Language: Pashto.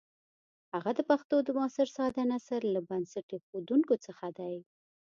هغه د پښتو د معاصر ساده نثر له بنسټ ایښودونکو څخه دی.